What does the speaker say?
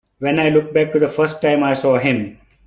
When I look back to the first time I saw him!